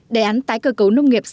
đề án tái cơ cấu nông nghiệp ra đời